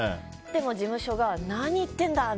でも事務所が何言ってんだ！